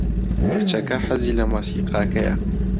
کچەکە حەزی لە مۆسیقاکەیە.